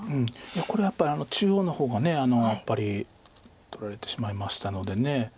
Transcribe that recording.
これは中央の方がやっぱり取られてしまいましたので。